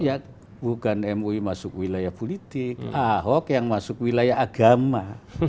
ya bukan mui masuk wilayah politik ahok yang masuk wilayah agama